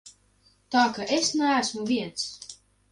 Tā ka es neesmu viens.